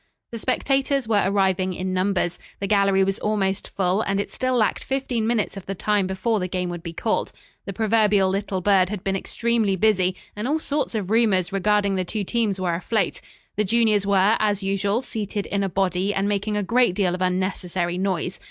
The spectators were arriving in numbers. The gallery was almost full, and it still lacked fifteen minutes of the time before the game would be called. The proverbial little bird had been extremely busy, and all sorts of rumors regarding the two teams were afloat. The juniors were, as usual, seated in a body and making a great deal of unnecessary noise.